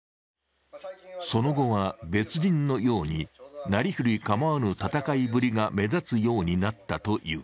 その後は、別人のようになりふり構わぬ戦いぶりが目立つようになったという。